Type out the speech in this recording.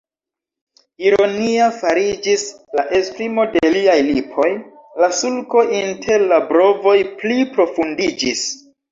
Ironia fariĝis la esprimo de liaj lipoj, la sulko inter la brovoj pli profundiĝis.